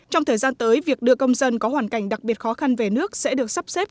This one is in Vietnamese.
trong thời gian tới việc đưa công dân có hoàn cảnh đặc biệt khó khăn về nước sẽ được sắp xếp